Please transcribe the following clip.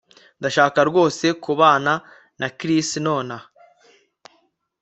Ndashaka rwose kubana na Chris nonaha